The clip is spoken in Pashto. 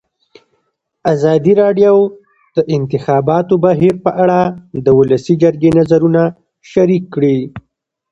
ازادي راډیو د د انتخاباتو بهیر په اړه د ولسي جرګې نظرونه شریک کړي.